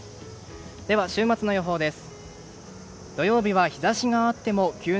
では、週末の予報です。